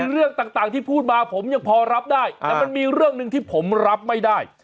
เรื่องต่างที่พูดมาผมยังพอรับได้แต่มันมีเรื่องหนึ่งที่ผมรับไม่ได้